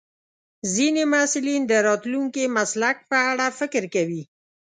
ځینې محصلین د راتلونکي مسلک په اړه فکر کوي.